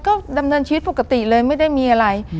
ก็ดำเนินชีวิตปกติเลยไม่ได้มีอะไร